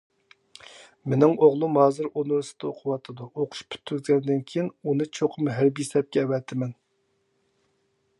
مېنىڭ ئوغلۇم ھازىر ئۇنىۋېرسىتېتتا ئوقۇۋاتىدۇ، ئوقۇش پۈتكۈزگەندىن كېيىن، ئۇنى چوقۇم ھەربىي سەپكە ئەۋەتىمەن.